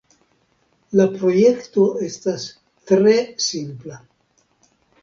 La projekto estas tre simpla.